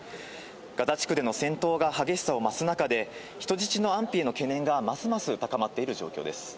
ガザ地区での戦闘が激しさを増す中で人質の安否への懸念がますます高まっている状況です。